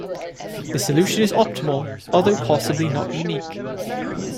This solution is optimal, although possibly not unique.